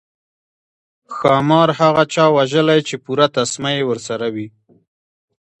ښامار هغه چا وژلی چې پوره تسمه یې ورسره وي.